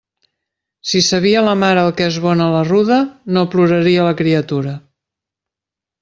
Si sabia la mare el que és bona la ruda, no ploraria la criatura.